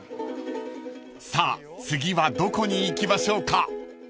［さあ次はどこに行きましょうか？］